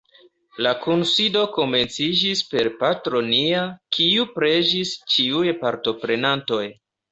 La kunsido komenciĝis per Patro Nia kiu preĝis ĉiuj partoprenantoj.